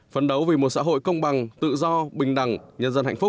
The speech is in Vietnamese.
phấn đấu vì một xã hội công bằng tự do bình đẳng nhân dân hạnh phúc